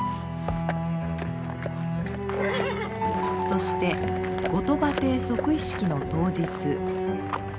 そして後鳥羽帝即位式の当日。